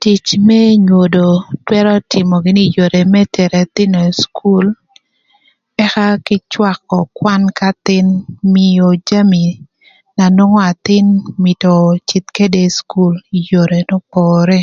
Tic n'enyodo twërö tïmö gïnï ï yore më tero ëthïnö ï cukul ëka kï cwakö kwan k'athïn mïö jami na nwongo athïn mïtö öcïdh këdë ï cukul ï yore n'opore